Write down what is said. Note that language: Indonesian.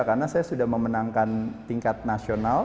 karena saya sudah memenangkan tingkat nasional